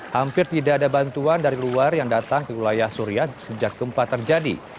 hampir tidak ada bantuan dari luar yang datang ke wilayah suria sejak gempa terjadi